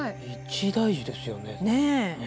一大事ですよね。